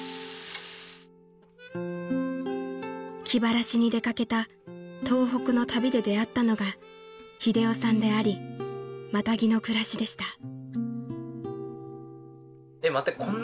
［気晴らしに出掛けた東北の旅で出会ったのが英雄さんでありマタギの暮らしでした］